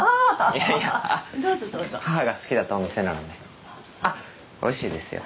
いやいやどうぞどうぞ母が好きだったお店なのであっおいしいですよ